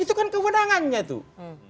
itu kan kewenangannya tuh